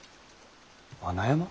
穴山？